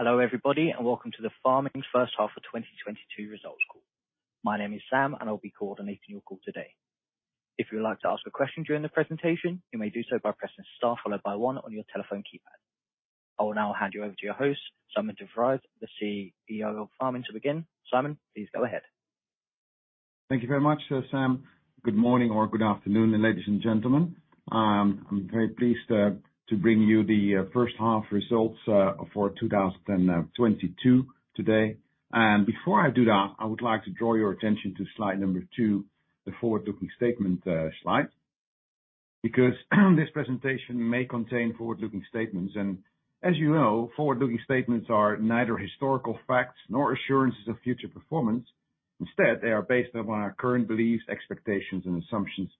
Hello, everybody, and welcome to the Pharming's first half of 2022 results call. My name is Sam, and I'll be coordinating your call today. If you would like to ask a question during the presentation, you may do so by pressing star followed by one on your telephone keypad. I will now hand you over to your host, Sijmen de Vries, the CEO of Pharming, to begin. Sijmen, please go ahead. Thank you very much, Sam. Good morning or good afternoon, ladies and gentlemen. I'm very pleased to bring you the first half results for 2022 today. Before I do that, I would like to draw your attention to slide number two, the forward-looking statement slide, because this presentation may contain forward-looking statements. As you know, forward-looking statements are neither historical facts nor assurances of future performance. Instead, they are based upon our current beliefs, expectations, and assumptions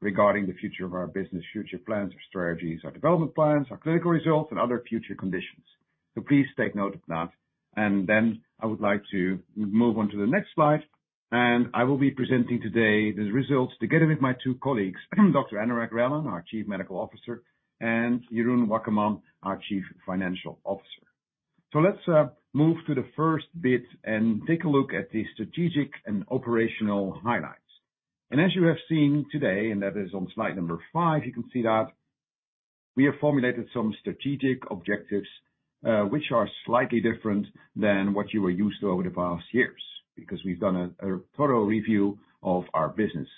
regarding the future of our business, future plans or strategies, our development plans, our clinical results, and other future conditions. Please take note of that. I would like to move on to the next slide. I will be presenting today the results together with my two colleagues, Dr. Anurag Relan, our Chief Medical Officer, and Jeroen Wakkerman, our Chief Financial Officer. Let's move to the first bit and take a look at the strategic and operational highlights. As you have seen today, and that is on slide number five, you can see that we have formulated some strategic objectives, which are slightly different than what you were used to over the past years, because we've done a thorough review of our business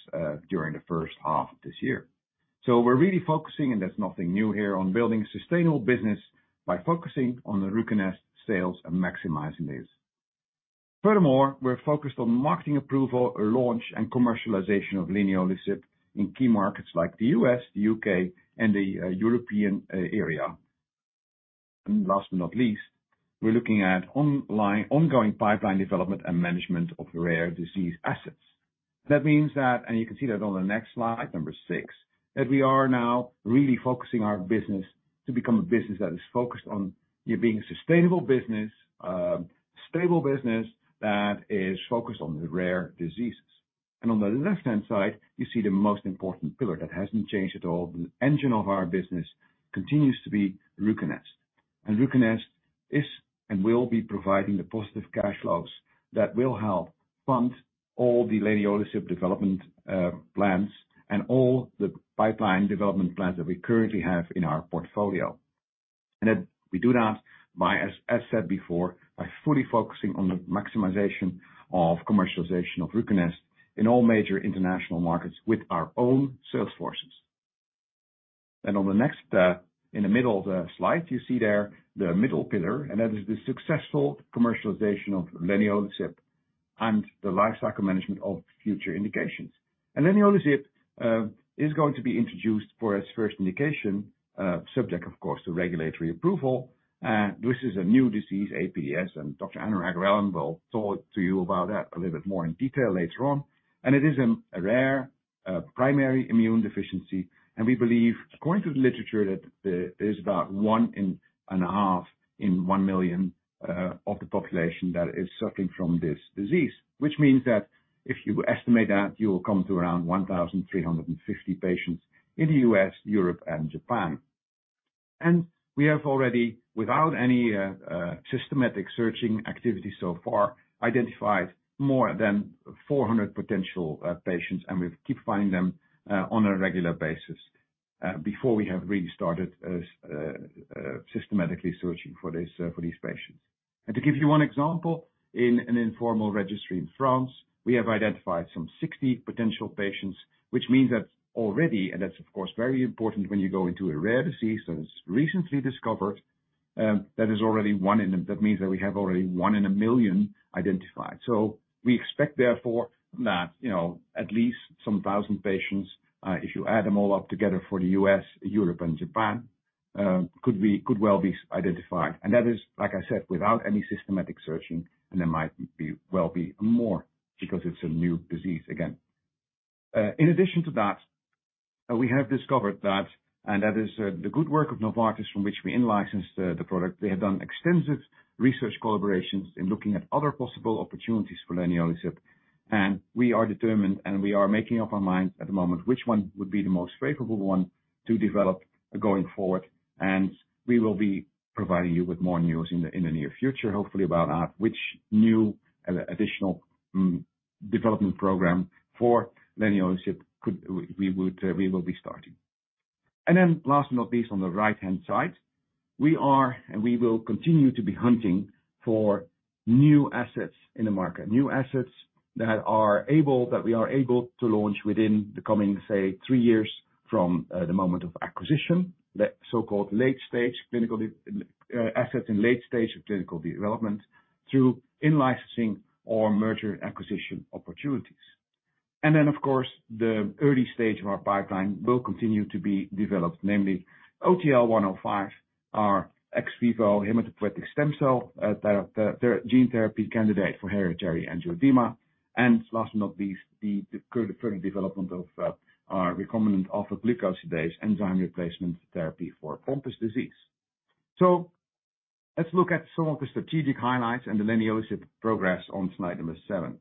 during the first half of this year. We're really focusing, and there's nothing new here, on building sustainable business by focusing on the Ruconest sales and maximizing these. Furthermore, we're focused on marketing approval or launch and commercialization of leniolisib in key markets like the U.S., the U.K., and the European area. Last but not least, we're looking at ongoing pipeline development and management of rare disease assets. That means that, and you can see that on the next slide, number 6, that we are now really focusing our business to become a business that is focused on being a sustainable business, stable business that is focused on the rare diseases. On the left-hand side, you see the most important pillar that hasn't changed at all. The engine of our business continues to be Ruconest. Ruconest is and will be providing the positive cash flows that will help fund all the leniolisib development plans and all the pipeline development plans that we currently have in our portfolio. that we do that by, as said before, by fully focusing on the maximization of commercialization of Ruconest in all major international markets with our own sales forces. On the next, in the middle of the slide, you see there the middle pillar, and that is the successful commercialization of leniolisib and the lifecycle management of future indications. Leniolisib is going to be introduced for its first indication, subject, of course, to regulatory approval. This is a new disease, APDS, and Dr. Anurag Relan will talk to you about that a little bit more in detail later on. It is a rare primary immunodeficiency. We believe, according to the literature, that there's about 1.5 in 1 million of the population that is suffering from this disease. Which means that if you estimate that, you will come to around 1,350 patients in the U.S., Europe, and Japan. We have already, without any systematic searching activity so far, identified more than 400 potential patients, and we keep finding them on a regular basis before we have really started systematically searching for this, for these patients. To give you one example, in an informal registry in France, we have identified some 60 potential patients, which means that already, and that's of course very important when you go into a rare disease that is recently discovered, that is already one in a million. That means that we have already one in a million identified. We expect, therefore, that, you know, at least some thousand patients, if you add them all up together for the U.S., Europe, and Japan, could well be identified. That is, like I said, without any systematic searching, and there might be more because it's a new disease again. In addition to that, we have discovered that, and that is, the good work of Novartis from which we in-licensed the product. They have done extensive research collaborations in looking at other possible opportunities for leniolisib, and we are determined, and we are making up our minds at the moment which one would be the most favorable one to develop going forward. We will be providing you with more news in the near future, hopefully about which new additional development program for leniolisib we will be starting. Then last but not least, on the right-hand side, we are and we will continue to be hunting for new assets in the market. New assets that we are able to launch within the coming, say, three years from the moment of acquisition. The so-called late-stage clinical development assets in late stage of clinical development through in-licensing or merger acquisition opportunities. Of course, the early stage of our pipeline will continue to be developed. Namely, OTL-105, our ex vivo hematopoietic stem cell gene therapy candidate for hereditary angioedema. Last but not least, the current development of our recombinant alpha-glucosidase enzyme replacement therapy for Pompe disease. Let's look at some of the strategic highlights and the leniolisib progress on slide number seven.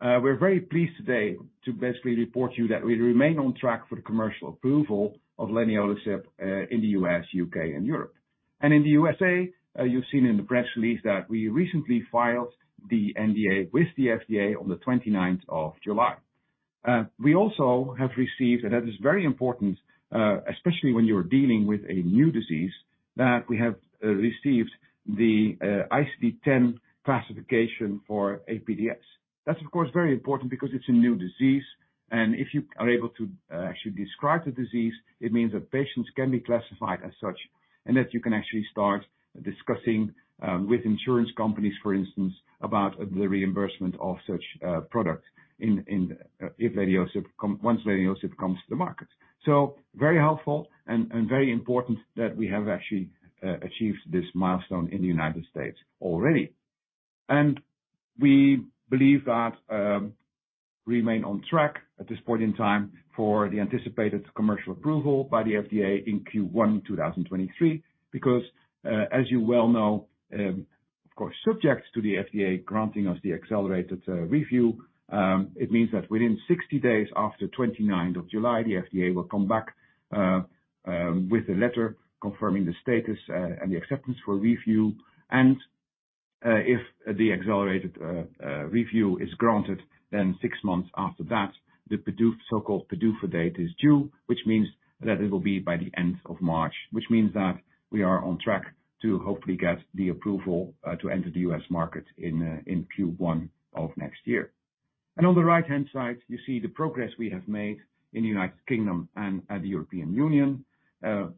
We're very pleased today to basically report to you that we remain on track for the commercial approval of leniolisib in the U.S., U.K., and Europe. In the USA, you've seen in the press release that we recently filed the NDA with the FDA on July 29th. We also have received, and that is very important, especially when you're dealing with a new disease, that we have received the ICD-10 classification for APDS. That's of course very important because it's a new disease, and if you are able to actually describe the disease, it means that patients can be classified as such, and that you can actually start discussing with insurance companies, for instance, about the reimbursement of such a product if leniolisib comes to the market. Very helpful and very important that we have actually achieved this milestone in the United States already. We believe we remain on track at this point in time for the anticipated commercial approval by the FDA in Q1 2023. Because, as you well know, of course, subject to the FDA granting us the accelerated review, it means that within 60 days after 29th of July, the FDA will come back with a letter confirming the status and the acceptance for review. If the accelerated review is granted, then 6 months after that, the so-called PDUFA date is due, which means that it'll be by the end of March. Which means that we are on track to hopefully get the approval to enter the U.S. market in Q1 of next year. On the right-hand side, you see the progress we have made in the United Kingdom and at the European Union.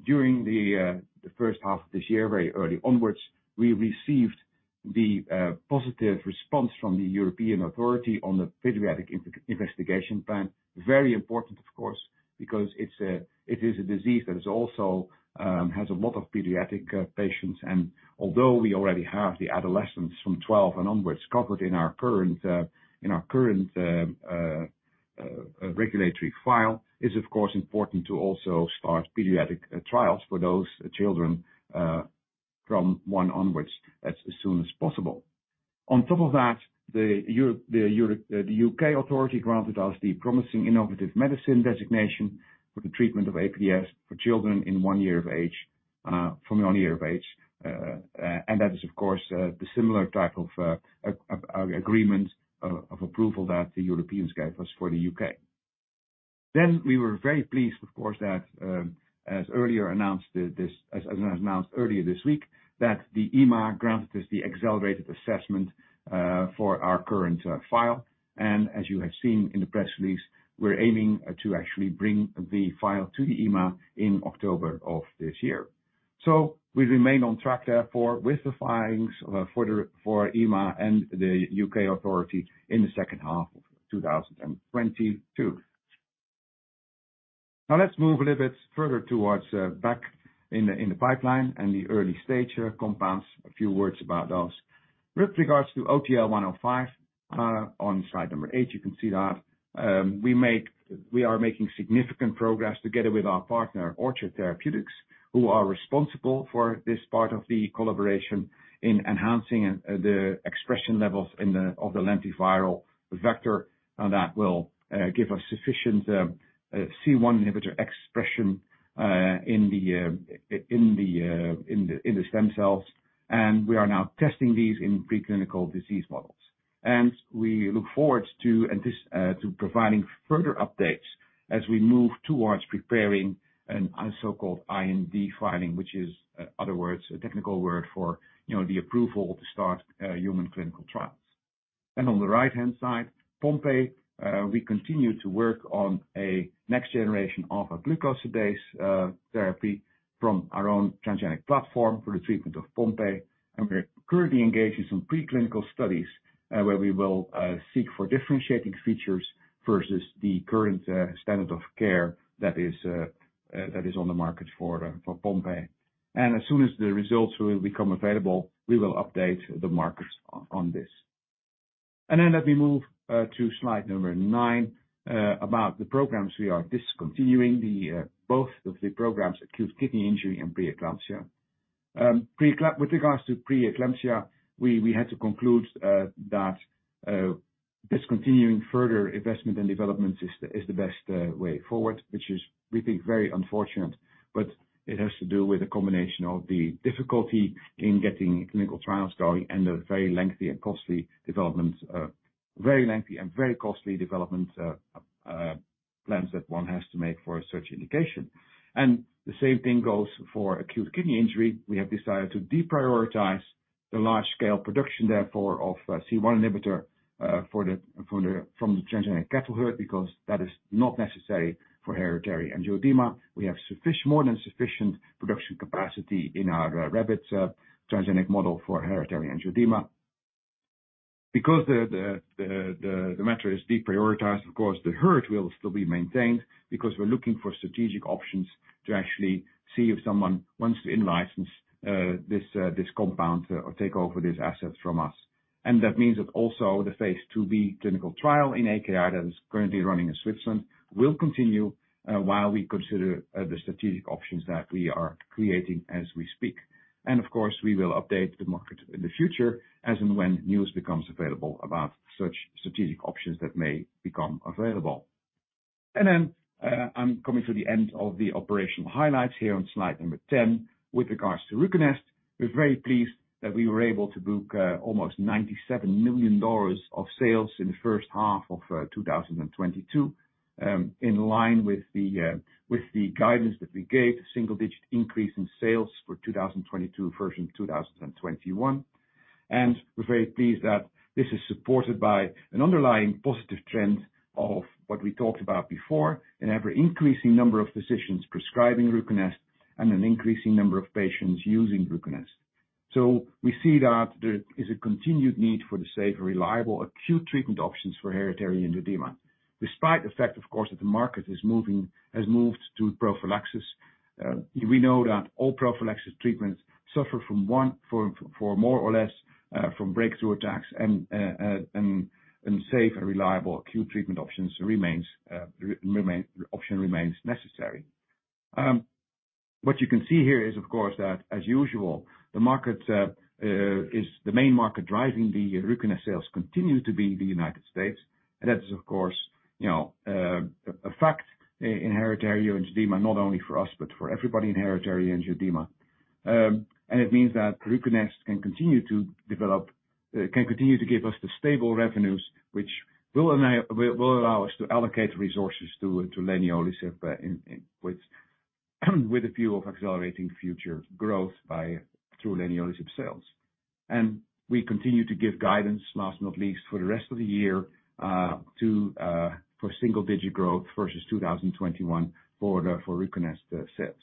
During the first half of this year, very early onwards, we received the positive response from the European Authority on the Pediatric Investigation Plan. Very important, of course, because it's a disease that also has a lot of pediatric patients. Although we already have the adolescents from 12 and onwards covered in our current regulatory file, it is of course important to also start pediatric trials for those children from 1 onwards as soon as possible. On top of that, the U.K. authority granted us the Promising Innovative Medicine designation for the treatment of APDS for children from 1 year of age. That is of course the similar type of agreement of approval that the Europeans gave us for the U.K. We were very pleased, of course, that as announced earlier this week, that the EMA granted us the accelerated assessment for our current file. As you have seen in the press release, we're aiming to actually bring the file to the EMA in October of this year. We remain on track, therefore, with the filings for EMA and the U.K. Authority in the second half of 2022. Now let's move a little bit further back in the pipeline and the early-stage compounds. A few words about those. With regard to OTL-105, on slide number eight, you can see that we are making significant progress together with our partner, Orchard Therapeutics, who are responsible for this part of the collaboration in enhancing the expression levels of the lentiviral vector that will give us sufficient C1 inhibitor expression in the stem cells. We are now testing these in preclinical disease models. We look forward to providing further updates as we move towards preparing a so-called IND filing, which is, in other words, a technical word for, you know, the approval to start human clinical trials. On the right-hand side, Pompe, we continue to work on a next generation alpha-glucosidase therapy from our own transgenic platform for the treatment of Pompe. We're currently engaged in some preclinical studies, where we will seek for differentiating features versus the current standard of care that is on the market for Pompe. As soon as the results will become available, we will update the markets on this. Let me move to slide 9 about the programs we are discontinuing. Both programs, acute kidney injury and preeclampsia. With regards to preeclampsia, we had to conclude that discontinuing further investment and development is the best way forward, which is, we think, very unfortunate. It has to do with a combination of the difficulty in getting clinical trials going and the very lengthy and costly development plans that one has to make for such indication. The same thing goes for acute kidney injury. We have decided to deprioritize the large scale production, therefore, of C1 inhibitor from the transgenic cattle herd, because that is not necessary for hereditary angioedema. We have sufficient, more than sufficient production capacity in our rabbits transgenic model for hereditary angioedema. Because the matter is deprioritized, of course, the herd will still be maintained because we're looking for strategic options to actually see if someone wants to in-license this compound or take over these assets from us. That means that also the phase IIB clinical trial in AKI that is currently running in Switzerland will continue, while we consider the strategic options that we are creating as we speak. Of course, we will update the market in the future as and when news becomes available about such strategic options that may become available. I'm coming to the end of the operational highlights here on slide number 10. With regards to Ruconest, we're very pleased that we were able to book almost $97 million of sales in the first half of 2022, in line with the guidance that we gave, a single digit increase in sales for 2022 versus 2021. We're very pleased that this is supported by an underlying positive trend of what we talked about before, an ever-increasing number of physicians prescribing Ruconest and an increasing number of patients using Ruconest. We see that there is a continued need for the safe and reliable acute treatment options for hereditary angioedema. Despite the fact, of course, that the market is moving, has moved to prophylaxis, we know that all prophylaxis treatments suffer from, for more or less, breakthrough attacks and safe and reliable acute treatment options remain necessary. What you can see here is, of course, that as usual, the market is the main market driving the Ruconest sales continue to be the United States. That is, of course, you know, a fact in hereditary angioedema, not only for us, but for everybody in hereditary angioedema. It means that Ruconest can continue to give us the stable revenues which will allow us to allocate resources to leniolisib with a view of accelerating future growth by through leniolisib sales. We continue to give guidance, last but not least, for the rest of the year for single digit growth versus 2021 for Ruconest sales.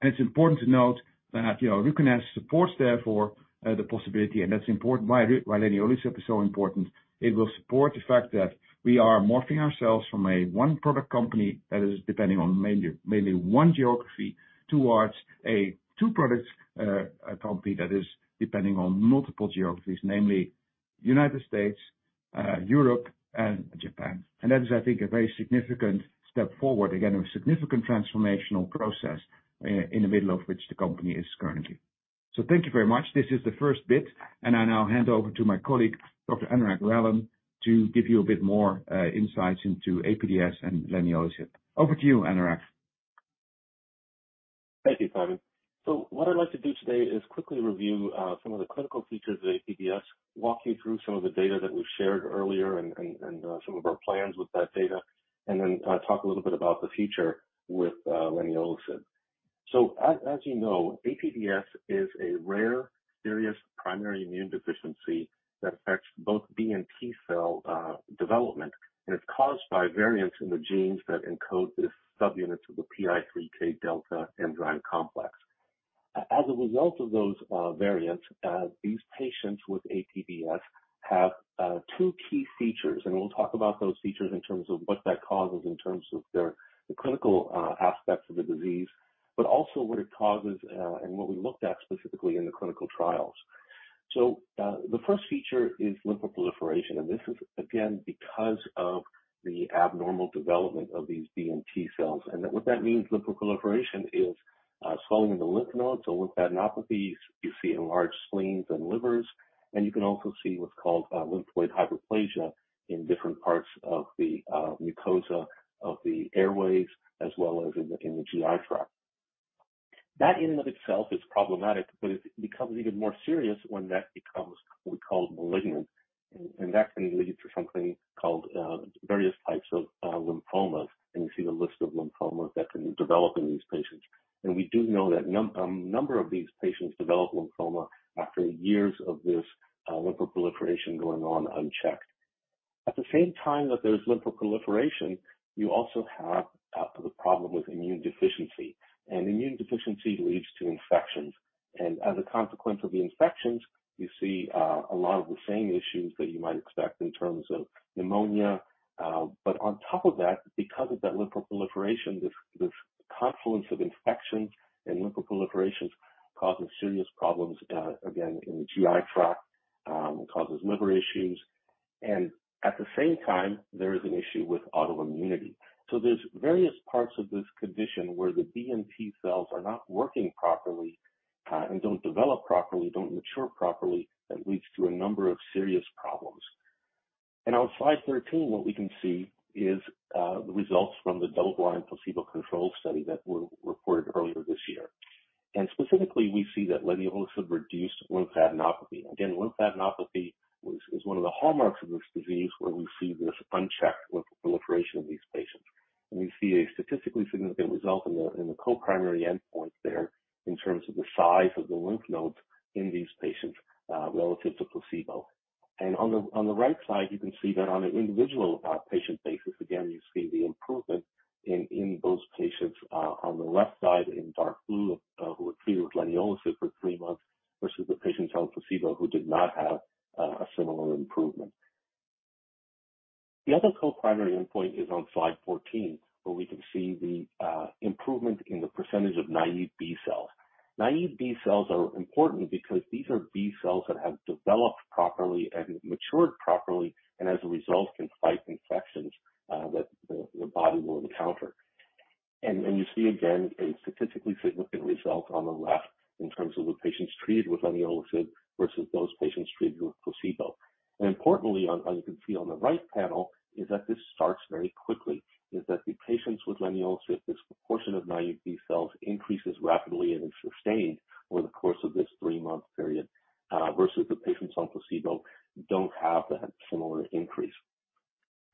It's important to note that, you know, Ruconest supports therefore the possibility, and that's important why leniolisib is so important. It will support the fact that we are morphing ourselves from a one-product company that is depending on mainly one geography, towards a two-products company that is depending on multiple geographies, namely United States, Europe, and Japan. That is, I think, a very significant step forward. Again, a significant transformational process in the middle of which the company is currently. Thank you very much. This is the first bit, and I now hand over to my colleague, Dr. Anurag Relan, to give you a bit more insights into APDS and leniolisib. Over to you, Anurag. Thank you, Sijmen. What I'd like to do today is quickly review some of the clinical features of APDS, walk you through some of the data that we've shared earlier and some of our plans with that data, and then talk a little bit about the future with leniolisib. As you know, APDS is a rare serious primary immunodeficiency that affects both B and T cell development and is caused by variants in the genes that encode the subunits of the PI3Kδ complex. As a result of those variants, these patients with APDS have two key features, and we'll talk about those features in terms of what that causes in terms of their clinical aspects of the disease, but also what it causes and what we looked at specifically in the clinical trials. The first feature is lymphoproliferation, and this is again because of the abnormal development of these B and T cells. What that means, lymphoproliferation, is swelling of the lymph nodes or lymphadenopathy. You see enlarged spleens and livers, and you can also see what's called lymphoid hyperplasia in different parts of the mucosa of the airways as well as in the GI tract. That in and of itself is problematic, but it becomes even more serious when that becomes what we call malignant. That can lead to something called various types of lymphomas. You see the list of lymphomas that can develop in these patients. We do know that number of these patients develop lymphoma after years of this lymphoproliferation going on unchecked. At the same time that there's lymphoproliferation, you also have the problem with immunodeficiency, and immunodeficiency leads to infections. As a consequence of the infections, you see a lot of the same issues that you might expect in terms of pneumonia. On top of that, because of that lymphoproliferation, this confluence of infections and lymphoproliferations causes serious problems again in the GI tract, causes liver issues. At the same time, there is an issue with autoimmunity. There's various parts of this condition where the B and T cells are not working properly, and don't develop properly, don't mature properly. That leads to a number of serious problems. On slide 13, what we can see is the results from the double-blind placebo-controlled study that were reported earlier this year. Specifically, we see that leniolisib reduced lymphadenopathy. Again, lymphadenopathy was, is one of the hallmarks of this disease, where we see this unchecked lymphoproliferation of these patients. We see a statistically significant result in the co-primary endpoint there in terms of the size of the lymph nodes in these patients, relative to placebo. On the right side, you can see that on an individual patient basis, again, you see the improvement in those patients on the left side in dark blue who were treated with leniolisib for three months versus the patients on placebo who did not have a similar improvement. The other co-primary endpoint is on slide 14, where we can see the improvement in the percentage of naive B cells. Naive B cells are important because these are B cells that have developed properly and matured properly, and as a result, can fight infections that the body will encounter. You see again a statistically significant result on the left in terms of the patients treated with leniolisib versus those patients treated with placebo. Importantly, as you can see on the right panel, this starts very quickly. Patients with leniolisib, this proportion of naive B cells increases rapidly and is sustained over the course of this 3-month period versus the patients on placebo don't have that similar increase.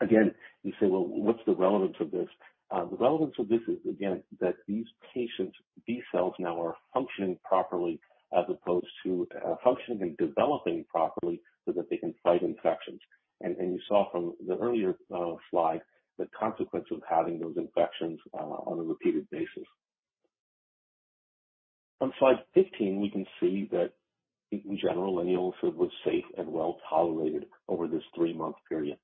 Again, you say, "Well, what's the relevance of this?" The relevance of this is, again, that these patients B cells now are functioning properly as opposed to functioning and developing properly so that they can fight infections. You saw from the earlier slide the consequence of having those infections on a repeated basis. On slide 15, we can see that in general, leniolisib was safe and well-tolerated over this 3-month period.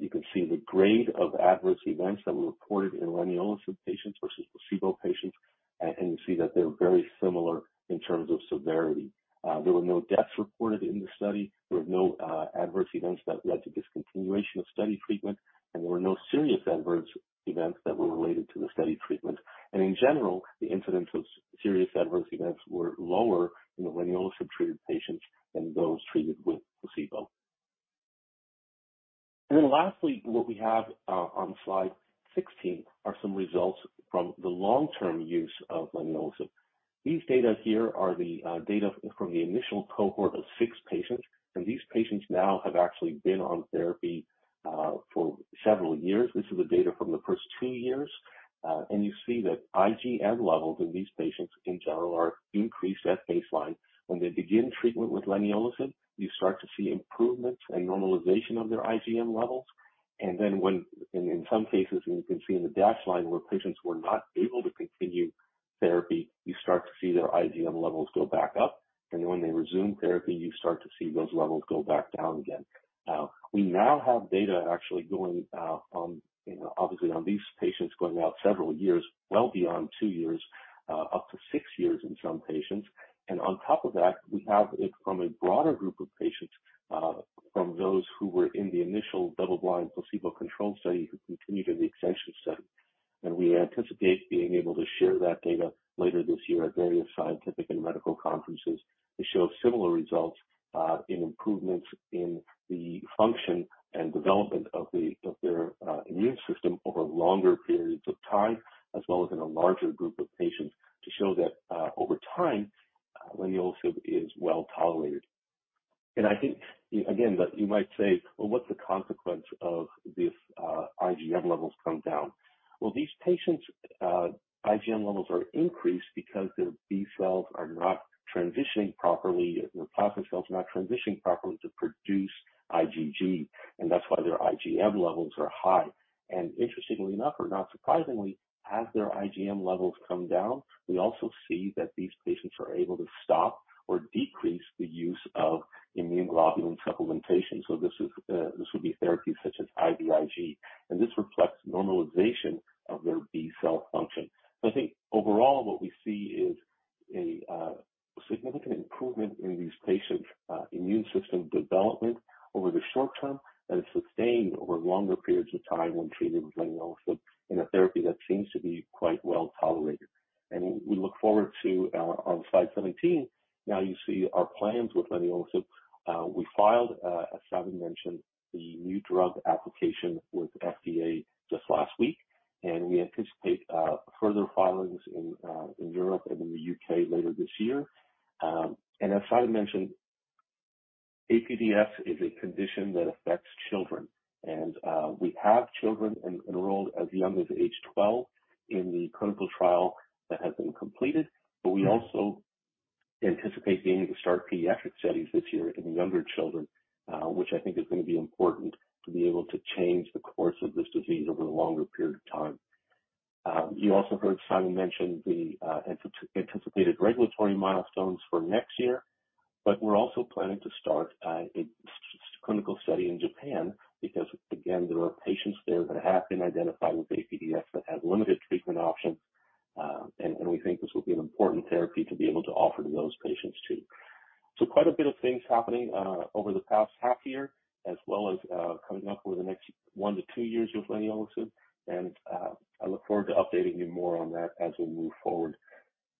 You can see the grade of adverse events that were reported in leniolisib patients versus placebo patients. You see that they're very similar in terms of severity. There were no deaths reported in the study. There were no adverse events that led to discontinuation of study treatment, and there were no serious adverse events that were related to the study treatment. In general, the incidence of serious adverse events were lower in the leniolisib-treated patients than those treated with placebo. Lastly, what we have on slide 16 are some results from the long-term use of leniolisib. These data here are the data from the initial cohort of six patients, and these patients now have actually been on therapy for several years. This is the data from the first two years. You see that IgM levels in these patients in general are increased at baseline. When they begin treatment with leniolisib, you start to see improvements and normalization of their IgM levels. When in some cases, you can see in the dashed line where patients were not able to continue therapy, you start to see their IgM levels go back up. When they resume therapy, you start to see those levels go back down again. We now have data actually going on, you know, obviously on these patients going out several years, well beyond two years, up to six years in some patients. On top of that, we have it from a broader group of patients, from those who were in the initial double-blind placebo-controlled study who continued in the extension study. We anticipate being able to share that data later this year at various scientific and medical conferences to show similar results in improvements in the function and development of their immune system over longer periods of time, as well as in a larger group of patients to show that over time leniolisib is well-tolerated. I think, again, that you might say, "Well, what's the consequence of if IgM levels come down?" Well, these patients' IgM levels are increased because their B cells are not transitioning properly, their plasma cells are not transitioning properly to produce IgG, and that's why their IgM levels are high. Interestingly enough, or not surprisingly, as their IgM levels come down, we also see that these patients are able to stop or decrease the use of immune globulin supplementation. This is, this would be therapies such as IVIG, and this reflects normalization of their B cell function. I think overall what we see is a significant improvement in these patients', immune system development over the short term and is sustained over longer periods of time when treated with leniolisib in a therapy that seems to be quite well-tolerated. We look forward to, on slide 17, now you see our plans with leniolisib. We filed, as Sijmen mentioned, the new drug application with FDA just last week, and we anticipate, further filings in Europe and in the U.K. later this year. As Sijmen mentioned, APDS is a condition that affects children. We have children enrolled as young as age 12 in the clinical trial that has been completed, but we also anticipate being able to start pediatric studies this year in younger children, which I think is gonna be important to be able to change the course of this disease over a longer period of time. You also heard Sijmen mention the anticipated regulatory milestones for next year, but we're also planning to start a clinical study in Japan because again, there are patients there that have been identified with APDS that have limited treatment options, and we think this will be an important therapy to be able to offer to those patients too. Quite a bit of things happening over the past half year as well as coming up over the next 1-2 years with leniolisib and I look forward to updating you more on that as we move forward.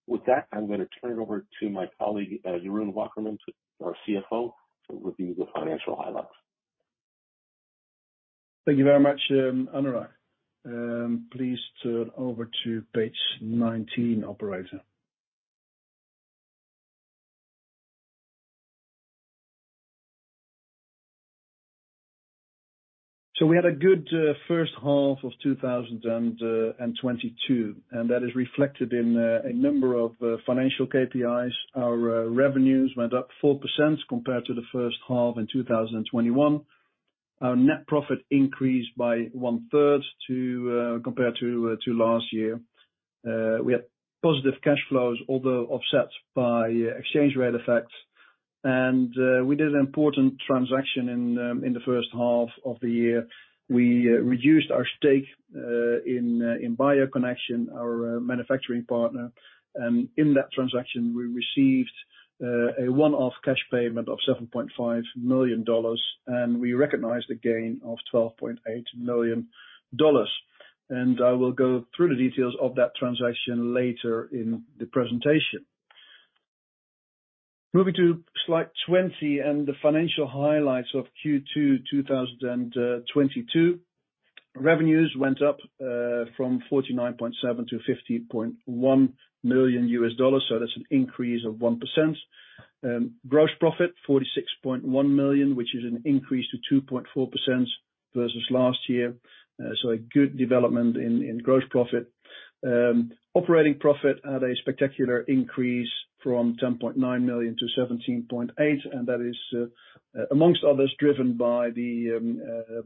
With that, I'm gonna turn it over to my colleague, Jeroen Wakkerman, to our CFO, to review the financial highlights. Thank you very much, Anurag. Please turn over to page 19, operator. We had a good first half of 2022, and that is reflected in a number of financial KPIs. Our revenues went up 4% compared to the first half in 2021. Our net profit increased by one-third compared to last year. We had positive cash flows, although offset by exchange rate effects. We did an important transaction in the first half of the year. We reduced our stake in BioConnection, our manufacturing partner. In that transaction, we received a one-off cash payment of $7.5 million, and we recognized a gain of $12.8 million. I will go through the details of that transaction later in the presentation. Moving to slide 20 and the financial highlights of Q2, 2022. Revenues went up from $49.7 million to $50.1 million, so that's an increase of 1%. Gross profit $46.1 million, which is an increase to 2.4% versus last year. A good development in gross profit. Operating profit at a spectacular increase from $10.9 million to $17.8 million, and that is amongst others driven by the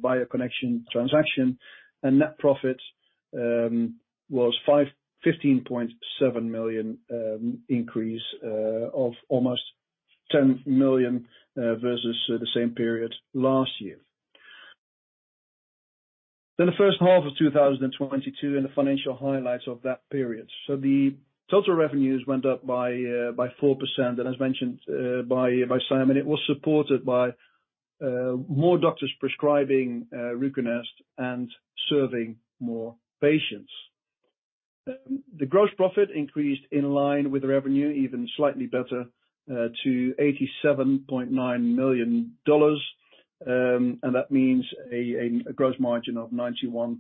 BioConnection transaction. Net profit was 15.7 million, increase of almost $10 million versus the same period last year. The first half of 2022 and the financial highlights of that period. The total revenues went up by 4%, and as mentioned by Sijmen, it was supported by more doctors prescribing Ruconest and serving more patients. The gross profit increased in line with revenue even slightly better to $87.9 million. And that means a gross margin of 91%.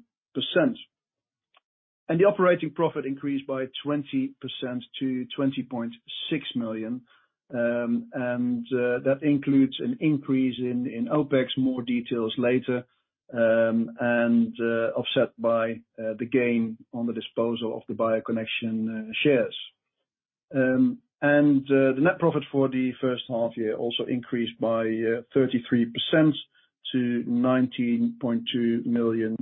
The operating profit increased by 20% to $20.6 million. That includes an increase in OPEX, more details later. Offset by the gain on the disposal of the BioConnection shares. The net profit for the first half year also increased by 33% to $19.2 million.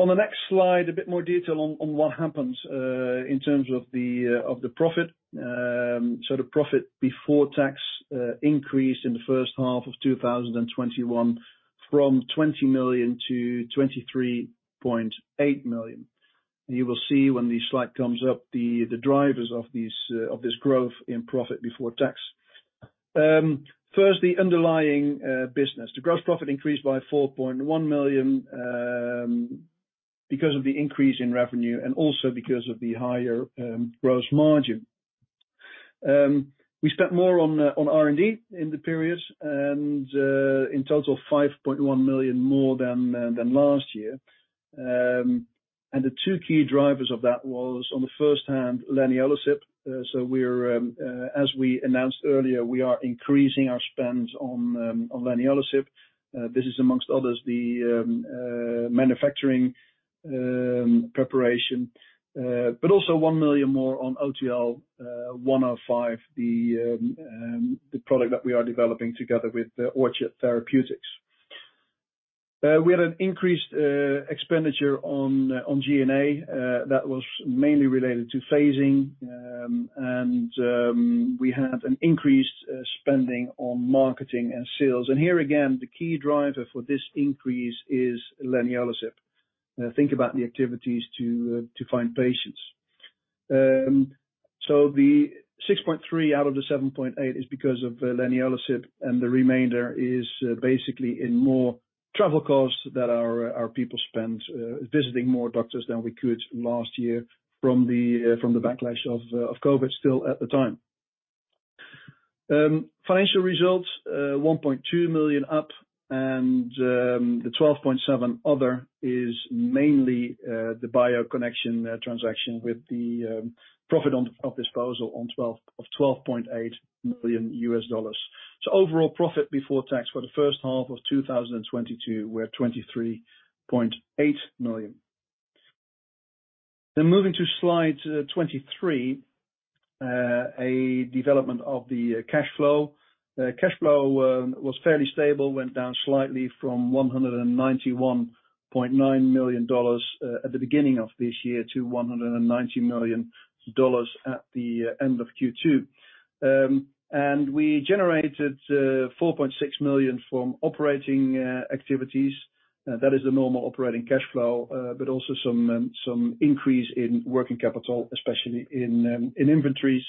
On the next slide, a bit more detail on what happens in terms of the profit. The profit before tax increased in the first half of 2021 from 20 million to 23.8 million. You will see when the slide comes up, the drivers of this growth in profit before tax. First, the underlying business. The gross profit increased by 4.1 million because of the increase in revenue and also because of the higher gross margin. We spent more on R&D in the period and in total 5.1 million more than last year. The two key drivers of that was, on the one hand, leniolisib. As we announced earlier, we are increasing our spends on leniolisib. This is among others, the manufacturing preparation, but also 1 million more on OTL-105, the product that we are developing together with Orchard Therapeutics. We had an increased expenditure on G&A, that was mainly related to phasing. We had an increased spending on marketing and sales. Here again, the key driver for this increase is leniolisib. Think about the activities to find patients. The 6.3 million out of the 7.8 million is because of leniolisib, and the remainder is basically in more travel costs that our people spent visiting more doctors than we could last year from the backlash of COVID still at the time. Financial results, 1.2 million up and the 12.7 other is mainly the BioConnection transaction with the profit on disposal of $12.8 million. Overall profit before tax for the first half of 2022 were 23.8 million. Moving to slide 23, a development of the cash flow. The cash flow was fairly stable, went down slightly from $191.9 million at the beginning of this year to $190 million at the end of Q2. We generated $4.6 million from operating activities. That is the normal operating cash flow, but also some increase in working capital, especially in inventories.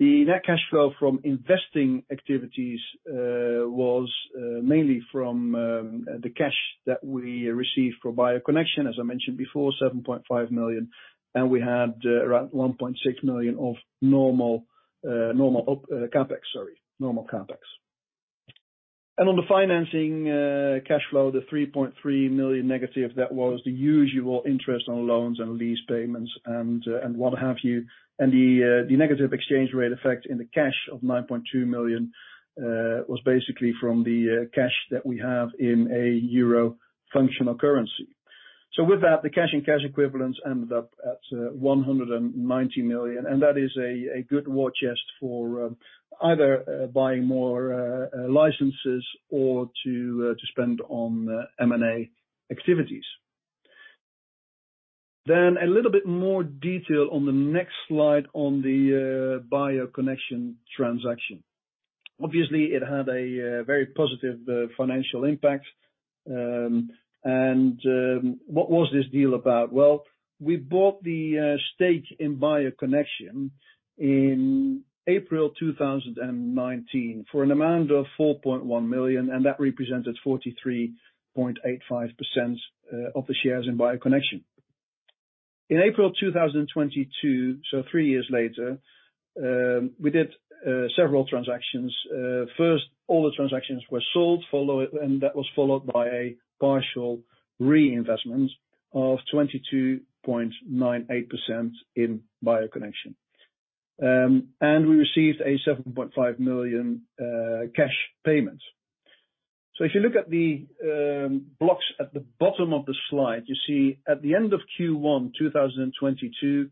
The net cash flow from investing activities was mainly from the cash that we received for BioConnection, as I mentioned before, 7.5 million. We had around 1.6 million of normal CapEx. On the financing cash flow, the negative 3.3 million was the usual interest on loans and lease payments and what have you. The negative exchange rate effect in the cash of 9.2 million was basically from the cash that we have in a euro functional currency. With that, the cash and cash equivalents ended up at 190 million, and that is a good war chest for either buying more licenses or to spend on M&A activities. A little bit more detail on the next slide on the BioConnection transaction. Obviously, it had a very positive financial impact. And what was this deal about? Well, we bought the stake in BioConnection in April 2019 for an amount of 4.1 million, and that represented 43.85% of the shares in BioConnection. In April 2022, so three years later, we did several transactions. First, all the transactions were sold, follow it. That was followed by a partial reinvestment of 22.98% in BioConnection. We received a 7.5 million cash payment. If you look at the blocks at the bottom of the slide, you see at the end of Q1 2022,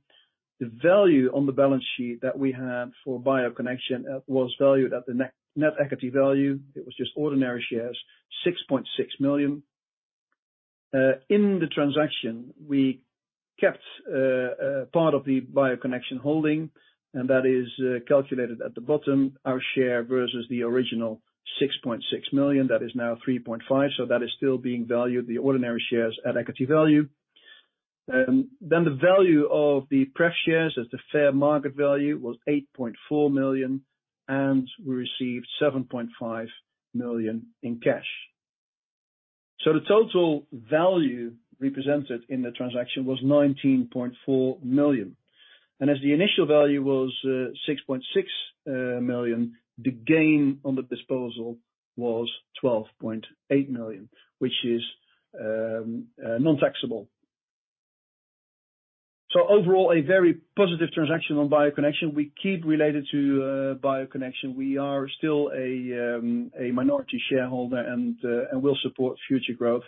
the value on the balance sheet that we had for BioConnection was valued at the net equity value. It was just ordinary shares, 6.6 million. In the transaction, we kept a part of the BioConnection holding, and that is calculated at the bottom. Our share versus the original 6.6 million, that is now 3.5 million. That is still being valued, the ordinary shares at equity value. The value of the pref shares as the fair market value was 8.4 million, and we received 7.5 million in cash. The total value represented in the transaction was 19.4 million. As the initial value was 6.6 million, the gain on the disposal was 12.8 million, which is non-taxable. Overall, a very positive transaction on BioConnection. We keep related to BioConnection. We are still a minority shareholder and will support future growth.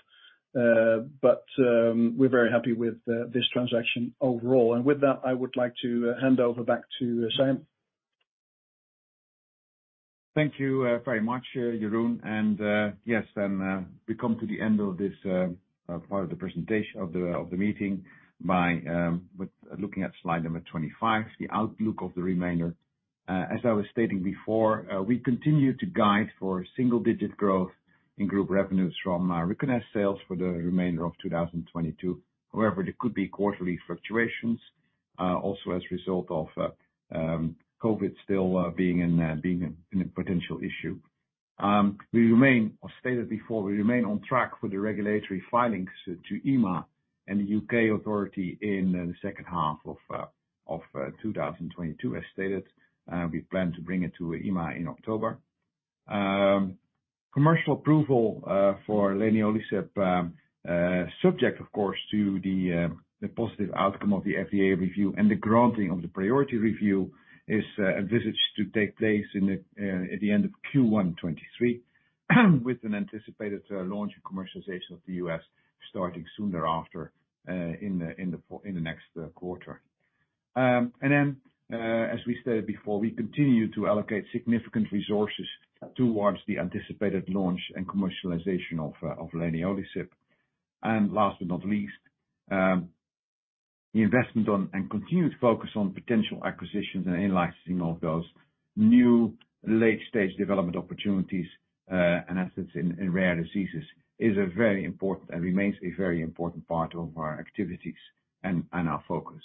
We're very happy with this transaction overall. With that, I would like to hand over back to Sam. Thank you very much, Jeroen. We come to the end of this part of the presentation of the meeting by looking at slide number 25, the outlook of the remainder. As I was stating before, we continue to guide for single-digit growth in group revenues from recognized sales for the remainder of 2022. However, there could be quarterly fluctuations also as a result of COVID still being a potential issue. As stated before, we remain on track for the regulatory filings to EMA and the U.K. authority in the second half of 2022. As stated, we plan to bring it to EMA in October. Commercial approval for leniolisib, subject of course to the positive outcome of the FDA review and the granting of the priority review is envisaged to take place at the end of Q1 2023, with an anticipated launch and commercialization of leniolisib in the U.S. starting soon thereafter, in the next quarter. As we stated before, we continue to allocate significant resources towards the anticipated launch and commercialization of leniolisib. Last but not least, the investment in and continued focus on potential acquisitions and in-licensing of those new late-stage development opportunities and assets in rare diseases is a very important and remains a very important part of our activities and our focus.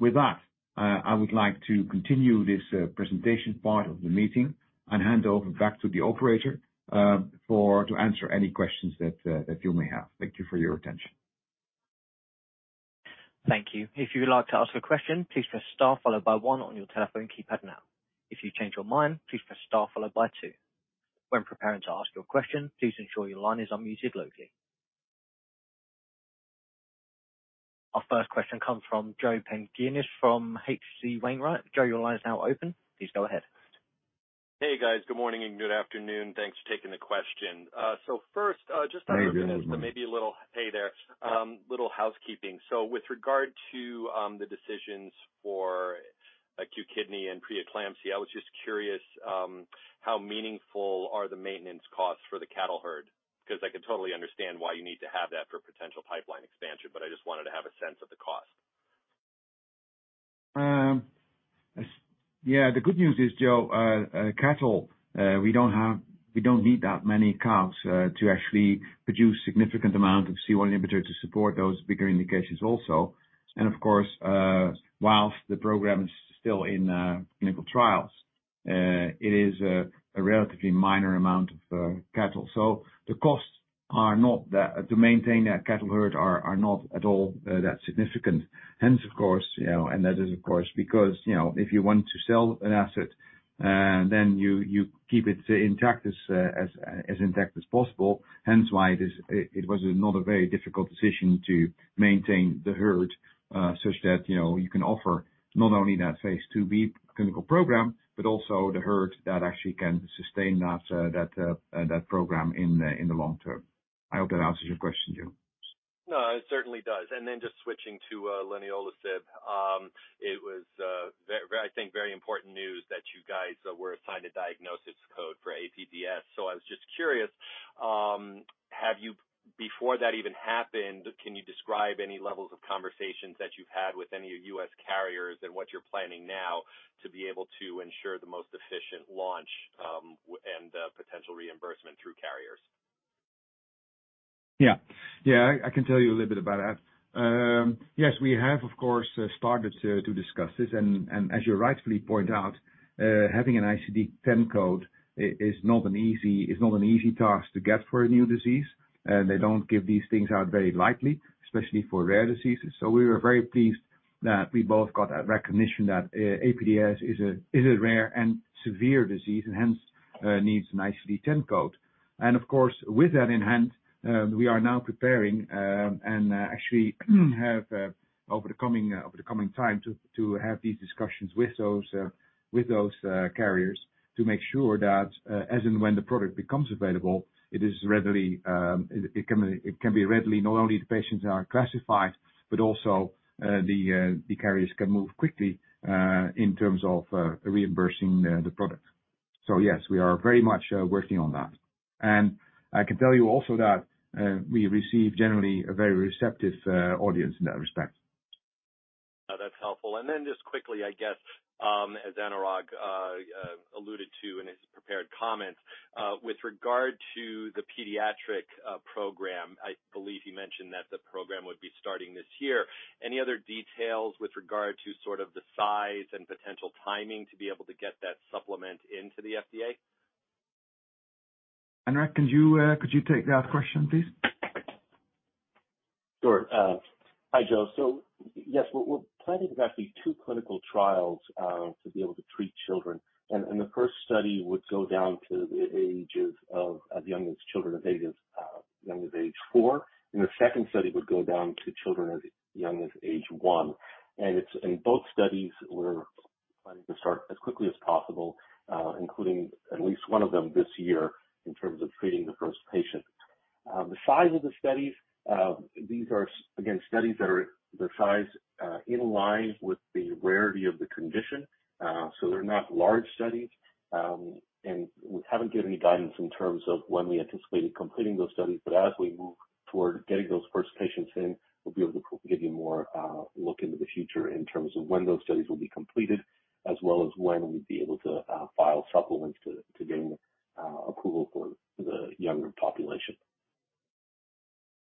With that, I would like to continue this presentation part of the meeting and hand over back to the operator for to answer any questions that you may have. Thank you for your attention. Thank you. If you'd like to ask a question, please press Star followed by one on your telephone keypad now. If you change your mind, please press Star followed by two. When preparing to ask your question, please ensure your line is unmuted locally. Our first question comes from Joe Pantginis from H.C. Wainwright. Joe, your line is now open. Please go ahead. Hey, guys. Good morning and good afternoon. Thanks for taking the question. First, just- Hey, good morning. Hey there. Little housekeeping. With regard to the decisions for acute kidney and preeclampsia, I was just curious how meaningful are the maintenance costs for the cattle herd? 'Cause I can totally understand why you need to have that for potential pipeline expansion, but I just wanted to have a sense of the cost. Yeah. The good news is, Joe, we don't need that many cows to actually produce significant amount of C1 inhibitor to support those bigger indications also. Of course, while the program is still in clinical trials, it is a relatively minor amount of cattle. The costs to maintain that cattle herd are not at all that significant. Hence, of course, you know, and that is, of course, because, you know, if you want to sell an asset, then you keep it intact as intact as possible. Hence why it was not a very difficult decision to maintain the herd such that, you know, you can offer not only that phase IIB clinical program, but also the herd that actually can sustain that program in the long term. I hope that answers your question, Joe. No, it certainly does. Just switching to leniolisib. It was very, I think very important news that you guys were assigned a diagnosis code for APDS. I was just curious, have you? Before that even happened, can you describe any levels of conversations that you've had with any of U.S. carriers and what you're planning now to be able to ensure the most efficient launch, and potential reimbursement through carriers? I can tell you a little bit about that. Yes, we have, of course, started to discuss this and as you rightfully point out, having an ICD-10 code is not an easy task to get for a new disease. They don't give these things out very lightly, especially for rare diseases. We were very pleased that we both got that recognition that APDS is a rare and severe disease and hence needs an ICD-10 code. Of course, with that in hand, we are now preparing, and actually have, over the coming time to have these discussions with those carriers to make sure that, as and when the product becomes available, it can be readily, not only the patients are classified, but also, the carriers can move quickly, in terms of, reimbursing the product. Yes, we are very much working on that. I can tell you also that, we receive generally a very receptive audience in that respect. Oh, that's helpful. Just quickly, I guess, as Anurag alluded to in his prepared comments, with regard to the pediatric program, I believe he mentioned that the program would be starting this year. Any other details with regard to sort of the size and potential timing to be able to get that supplement into the FDA? Anurag, could you take that question, please? Sure. Hi, Joe. Yes, we're planning to have these two clinical trials to be able to treat children. The first study would go down to the ages of as young as age four. The second study would go down to children as young as age one. In both studies, we're planning to start as quickly as possible, including at least one of them this year in terms of treating the first patient. The size of the studies, these are again studies that are the size in line with the rarity of the condition. They're not large studies. We haven't given any guidance in terms of when we anticipated completing those studies. As we move toward getting those first patients in, we'll be able to give you more look into the future in terms of when those studies will be completed, as well as when we'd be able to file supplements to gain approval for the younger population.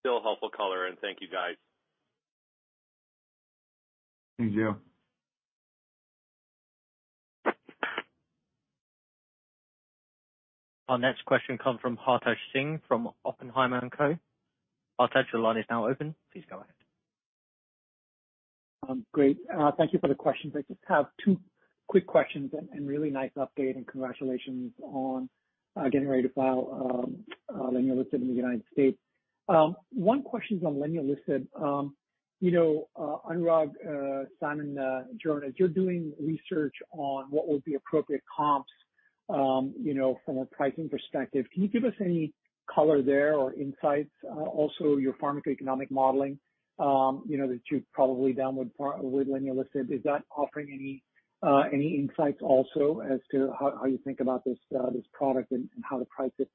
Still a helpful color, and thank you, guys. Thank you. Our next question come from Hartaj Singh from Oppenheimer & Co. Hartaj, your line is now open. Please go ahead. Great. Thank you for the questions. I just have two quick questions and really nice update and congratulations on getting ready to file leniolisib in the United States. One question is on leniolisib. You know, Anurag, Sijmen, and Jeroen, as you're doing research on what would be appropriate comps, you know, from a pricing perspective, can you give us any color there or insights? Also your pharmacoeconomic modeling, you know, that you've probably done with leniolisib, is that offering any insights also as to how you think about this product and how to price it?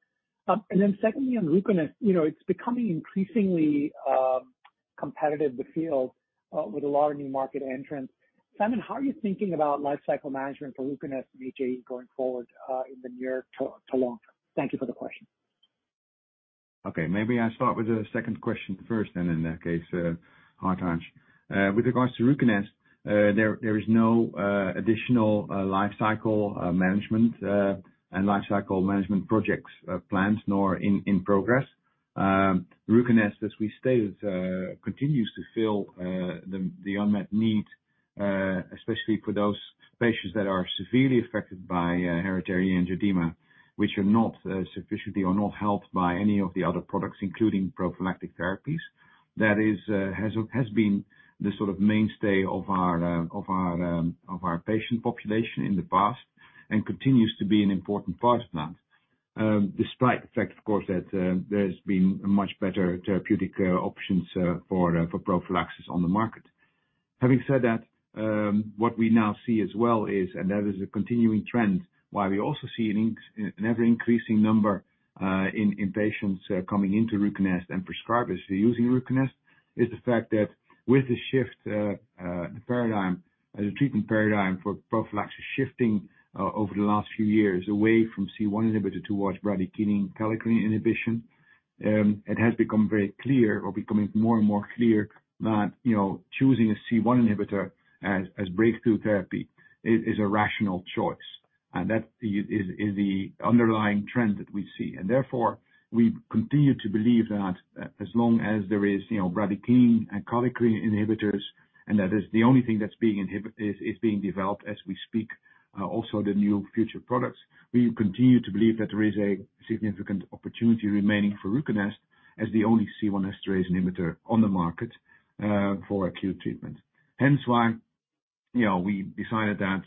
Secondly, on Ruconest, you know, it's becoming increasingly competitive, the field, with a lot of new market entrants. Sijmen, how are you thinking about life cycle management for Ruconest and HAE going forward, in the near to long term? Thank you for the question. Maybe I start with the second question first then in that case, Hartaj. With regards to Ruconest, there is no additional life cycle management projects, plans nor in progress. Ruconest, as we stated, continues to fill the unmet need especially for those patients that are severely affected by hereditary angioedema, which are not sufficiently or not helped by any of the other products, including prophylactic therapies. That has been the sort of mainstay of our patient population in the past and continues to be an important part now. Despite the fact, of course, that there's been much better therapeutic options for prophylaxis on the market. Having said that, what we now see as well is a continuing trend while we also see an ever-increasing number in patients coming into Ruconest and prescribers using Ruconest, is the fact that with the shift in the paradigm as a treatment paradigm for prophylaxis shifting over the last few years away from C1 inhibitor towards bradykinin kallikrein inhibition, it has become very clear or becoming more and more clear that, you know, choosing a C1 inhibitor as breakthrough therapy is a rational choice. That is the underlying trend that we see. Therefore, we continue to believe that as long as there is, you know, bradykinin and kallikrein inhibitors, and that is the only thing that's being developed as we speak, also the new future products, we continue to believe that there is a significant opportunity remaining for Ruconest as the only C1 esterase inhibitor on the market, for acute treatment. Hence why, you know, we decided that,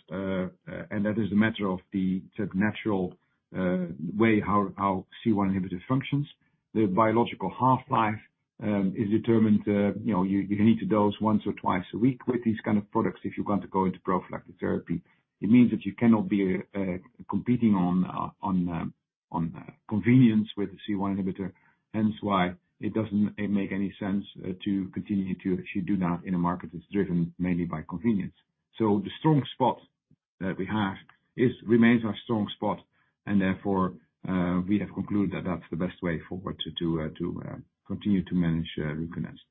and that is a matter of the sort of natural way how C1 inhibitor functions, the biological half-life is determined, you know, you need to dose once or twice a week with these kind of products if you're going to go into prophylactic therapy. It means that you cannot be competing on convenience with the C1 inhibitor, hence why it doesn't make any sense to continue to actually do that in a market that's driven mainly by convenience. The strong spot that we have is remains our strong spot, and therefore, we have concluded that that's the best way forward to continue to manage Ruconest.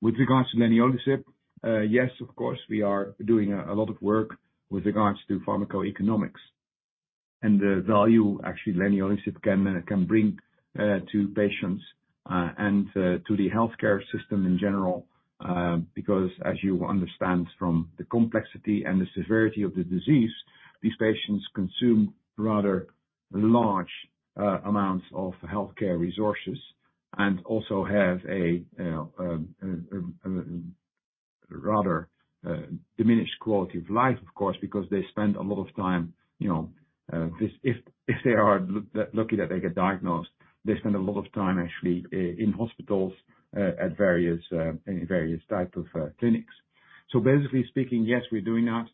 With regards to leniolisib, yes, of course, we are doing a lot of work with regards to pharmacoeconomics and the value actually leniolisib can bring to patients and to the healthcare system in general. Because as you understand from the complexity and the severity of the disease, these patients consume rather large amounts of healthcare resources and also have a rather diminished quality of life, of course, because they spend a lot of time, you know, if they are lucky that they get diagnosed, they spend a lot of time actually in hospitals at various in various type of clinics. So basically speaking, yes, we're doing that.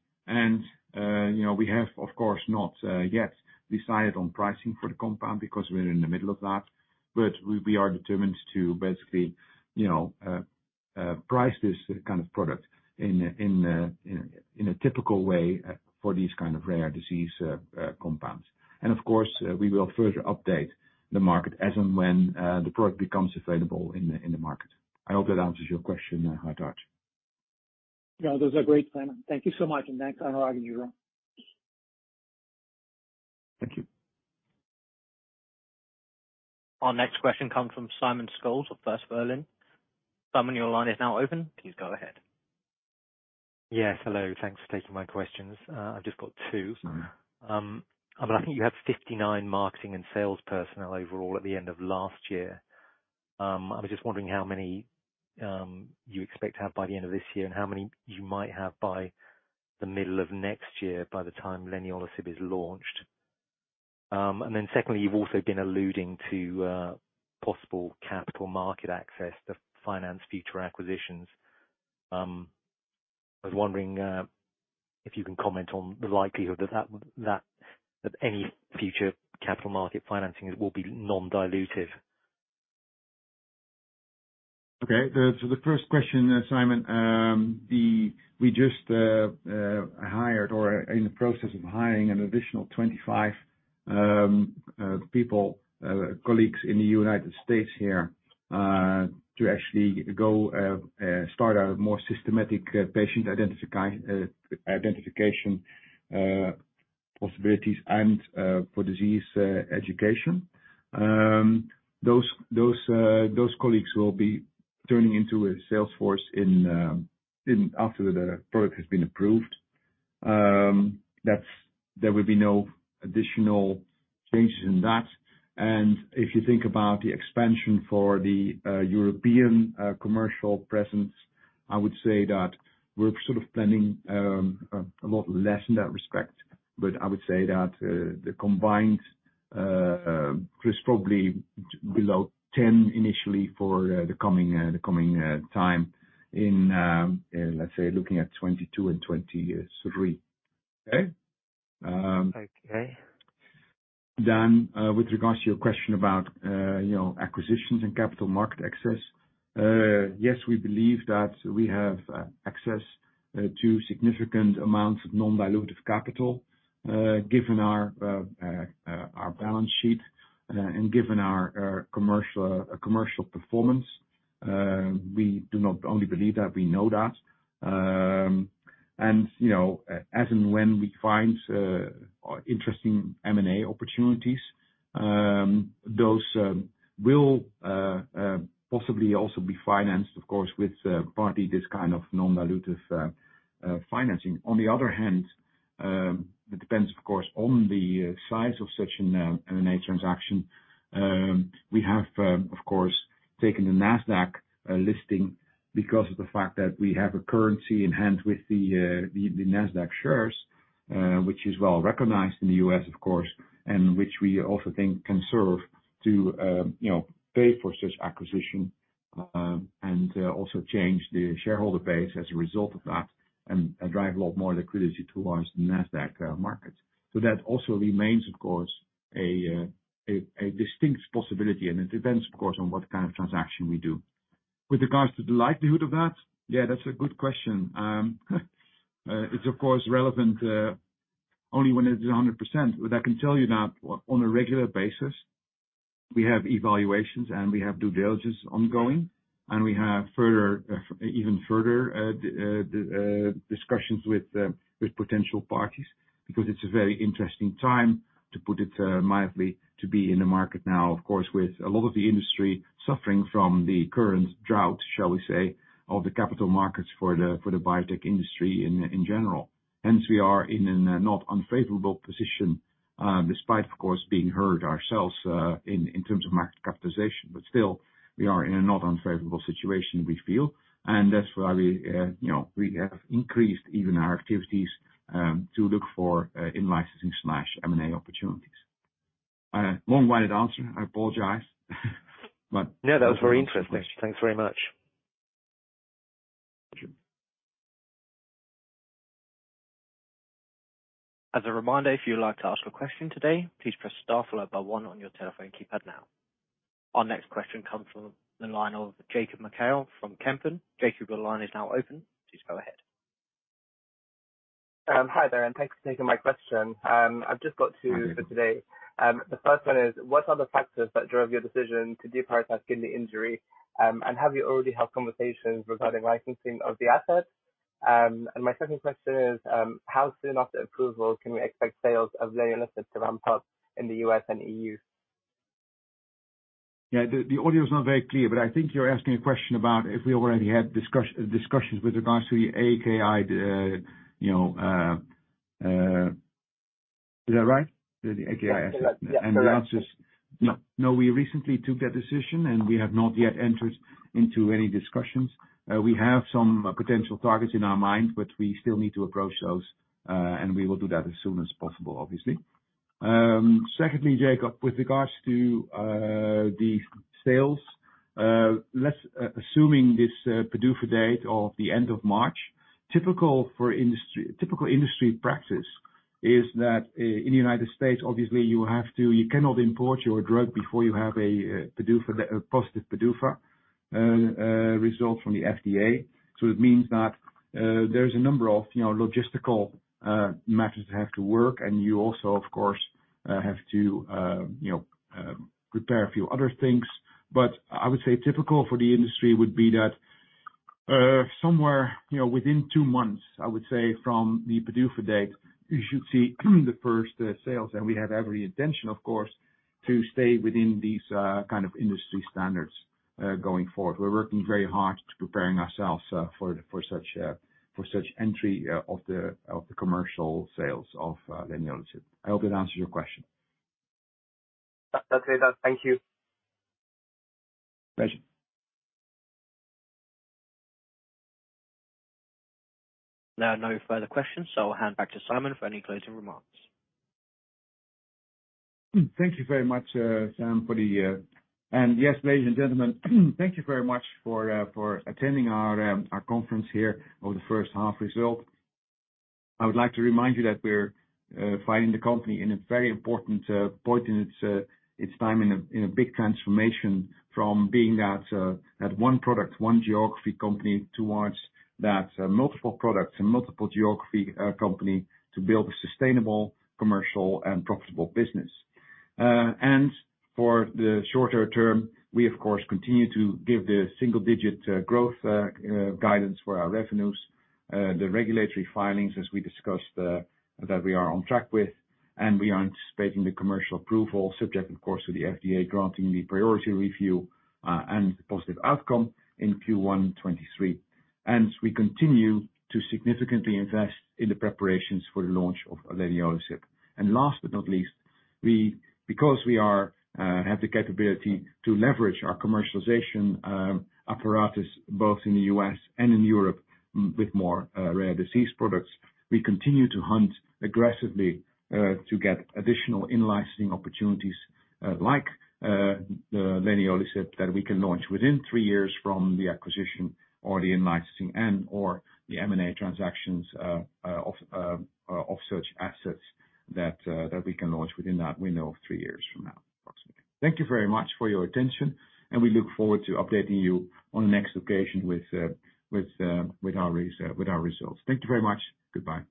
You know, we have, of course, not yet decided on pricing for the compound because we're in the middle of that. We are determined to basically, you know, price this kind of product in a typical way for these kind of rare disease compounds. Of course, we will further update the market as and when the product becomes available in the market. I hope that answers your question, Hartaj. Yeah, those are great, Sijmen. Thank you so much, thanks for having me here. Thank you. Our next question comes from Simon Scholes of First Berlin. Sijmen, your line is now open. Please go ahead. Yes, hello. Thanks for taking my questions. I've just got two. Mm-hmm. I think you have 59 marketing and sales personnel overall at the end of last year. I was just wondering how many you expect to have by the end of this year and how many you might have by the middle of next year by the time leniolisib is launched. Secondly, you've also been alluding to possible capital market access to finance future acquisitions. I was wondering if you can comment on the likelihood that any future capital market financing will be non-dilutive. The first question, Simon, we just hired or are in the process of hiring an additional 25 people, colleagues in the United States here to actually go start a more systematic patient identification possibilities and for disease education. Those colleagues will be turning into a sales force in after the product has been approved. There will be no additional changes in that. If you think about the expansion for the European commercial presence, I would say that we're sort of planning a lot less in that respect. I would say that the combined is probably below 10 initially for the coming time in, let's say, looking at 2022 and 2023. Okay. Okay. With regards to your question about, you know, acquisitions and capital market access, yes, we believe that we have access to significant amounts of non-dilutive capital, given our balance sheet, and given our commercial performance. We do not only believe that, we know that. You know, as and when we find interesting M&A opportunities, those will possibly also be financed, of course, with partly this kind of non-dilutive financing. On the other hand, it depends, of course, on the size of such an M&A transaction. We have, of course, taken a Nasdaq listing because of the fact that we have a currency in hand with the Nasdaq shares, which is well-recognized in the U.S., of course, and which we also think can serve to, you know, pay for such acquisition, and also change the shareholder base as a result of that and drive a lot more liquidity towards the Nasdaq market. That also remains, of course, a distinct possibility, and it depends, of course, on what kind of transaction we do. With regards to the likelihood of that, yeah, that's a good question. It's of course relevant only when it is 100%. I can tell you that on a regular basis, we have evaluations, and we have due diligence ongoing, and we have further, even further, discussions with potential parties because it's a very interesting time, to put it mildly, to be in the market now, of course, with a lot of the industry suffering from the current drought, shall we say, of the capital markets for the biotech industry in general. Hence, we are in a not unfavorable position, despite, of course, being hit ourselves, in terms of market capitalization. But still, we are in a not unfavorable situation, we feel, and that's why we, you know, we have increased even our activities, to look for in-licensing/M&A opportunities. I know. Long-winded answer. I bored you guys. No, that was very interesting. Thanks very much. Thank you. As a reminder, if you'd like to ask a question today, please press star followed by one on your telephone keypad now. Our next question comes from the line of Jacob Mekhael from Kempen. Jacob, your line is now open. Please go ahead. Hi there, and thanks for taking my question. I've just got two- Mm-hmm. The first one is, what are the factors that drove your decision to deprioritize kidney injury, and have you already had conversations regarding licensing of the asset? My second question is, how soon after approval can we expect sales of leniolisib to ramp up in the U.S. And EU? Yeah. The audio is not very clear, but I think you're asking a question about if we already had discussions with regards to the AKI, you know. Is that right? The AKI asset? Yeah. Correct. The answer is no. No, we recently took that decision, and we have not yet entered into any discussions. We have some potential targets in our mind, but we still need to approach those, and we will do that as soon as possible, obviously. Secondly, Jacob, with regards to the sales, let's assuming this PDUFA date of the end of March, typical industry practice is that in the United States, obviously, you have to. You cannot import your drug before you have a positive PDUFA result from the FDA. So it means that there's a number of, you know, logistical matters that have to work, and you also, of course, have to, you know, prepare a few other things. I would say typical for the industry would be that, somewhere, you know, within two months, I would say, from the PDUFA date, you should see the first sales. We have every intention, of course, to stay within these kind of industry standards going forward. We're working very hard to prepare ourselves for such entry of the commercial sales of leniolisib. I hope that answers your question. That's okay, then. Thank you. Pleasure. There are no further questions, so I'll hand back to Sijmen for any closing remarks. Thank you very much, Sam, for the... Yes, ladies and gentlemen, thank you very much for attending our conference here of the first half results. I would like to remind you that we're finding the company in a very important point in its time in a big transformation from being that one product, one geography company towards that multiple products and multiple geography company to build a sustainable, commercial and profitable business. For the shorter term, we of course continue to give the single digit growth guidance for our revenues. The regulatory filings, as we discussed, that we are on track with, and we are anticipating the commercial approval subject, of course, to the FDA granting the priority review, and positive outcome in Q1 2023. We continue to significantly invest in the preparations for the launch of leniolisib. Last but not least, we, because we are, have the capability to leverage our commercialization apparatus both in the U.S. and in Europe with more rare disease products, we continue to hunt aggressively to get additional in-licensing opportunities like leniolisib that we can launch within three years from the acquisition or the in-licensing and or the M&A transactions of such assets that we can launch within that window of three years from now, approximately. Thank you very much for your attention, and we look forward to updating you on the next occasion with our results. Thank you very much. Goodbye.